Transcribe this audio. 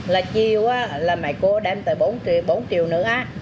là chiều là mẹ cô đem tới bốn triệu nữa á